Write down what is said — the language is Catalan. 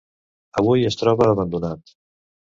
Avui es troba abandonat.